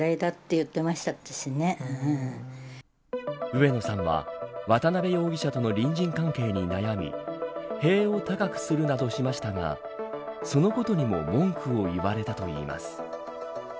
上野さんは渡部容疑者との隣人関係に悩み塀を高くするなどしましたがそのことにも文句を言われたといいます。